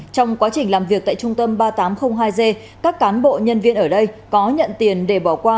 trong quá trình làm việc tại trung tâm ba nghìn tám trăm linh hai g các cán bộ nhân viên ở đây có nhận tiền để bỏ qua